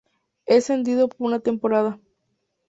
Es cedido por una temporada.